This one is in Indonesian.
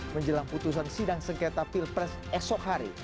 menjelang putusan sidang sengketa pilpres esok hari